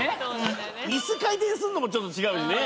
椅子回転するのもちょっと違うしね。